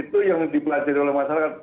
itu yang dipelajari oleh masyarakat